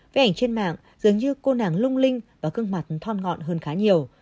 về ảnh trên mạng dường như cô nàng lung linh và gương mặt thon ngọn hơn khá nhiều